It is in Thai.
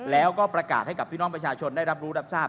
แล้วก็ประกาศให้กับพี่น้องประชาชนได้รับรู้รับทราบ